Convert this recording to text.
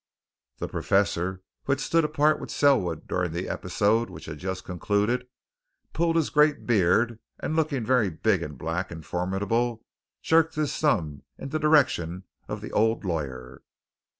The Professor, who had stood apart with Selwood during the episode which had just concluded, pulling his great beard and looking very big and black and formidable, jerked his thumb in the direction of the old lawyer.